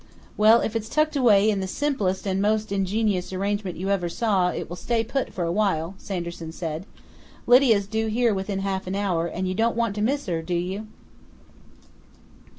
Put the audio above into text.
"Well, if it's tucked away in the 'simplest and most ingenious arrangement you ever saw' it will stay put for a while," Sanderson said. "Lydia's due here within half an hour, and you don't want to miss her, do you?"